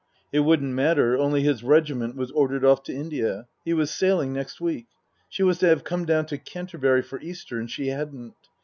It wouldn't matter, only his regiment was ordered off to India. He was sailing next week. She was to have come down to Canterbury for Easter and she hadn't.